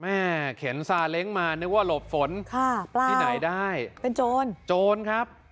เข็นซาเล้งมานึกว่าหลบฝนค่ะปลาที่ไหนได้เป็นโจรโจรครับ